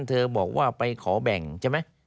เธอบอกว่าไปขอแบ่งใช่ไหม